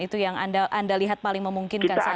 itu yang anda lihat paling memungkinkan saat ini